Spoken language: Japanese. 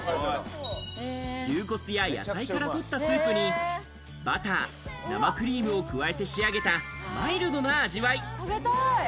牛骨や野菜から取ったスープに、バター、生クリームを加えて仕上げたマイルドな味わい。